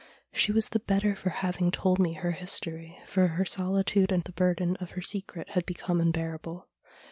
She was the better for having told me her history, for her solitude and the burden of her secret had become unbearable.